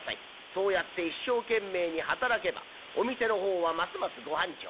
そうやって一生懸命に働けばお店の方はますますご繁盛。